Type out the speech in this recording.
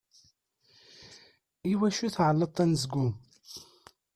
I wacu tεelleḍt anezgum?